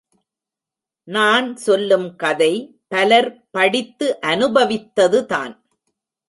நான் சொல்லும் கதை பலர் படித்து அனுபவித்ததுதான்.